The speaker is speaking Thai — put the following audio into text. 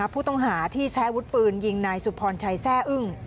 ผู้ต้องหาที่ใช้อาวุธปืนยิงนายสุพรชัยแซ่อึ้ง